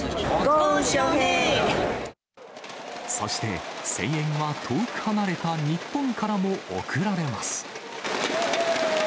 ゴー、そして、声援は遠く離れた日本からも送られます。